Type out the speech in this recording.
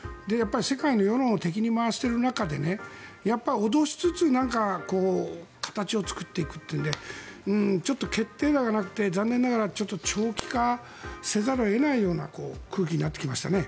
世界の世論を敵に回している中でやっぱり脅しつつ形を作っていくというのでちょっと決定打がなくて残念ながら長期化せざるを得ないような空気になってきましたね。